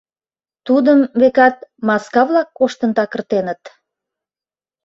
Тудым, векат, маска-влак коштын такыртеныт.